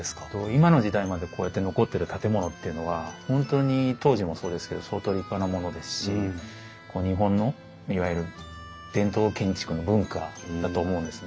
今の時代までこうやって残ってる建物っていうのは本当に当時もそうですけど相当立派なものですし日本のいわゆる伝統建築の文化だと思うんですね。